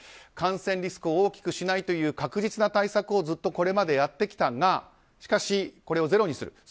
感染リスクを大きくしないという確実な対策をずっとこれまでやってきたがしかし、これをゼロにする。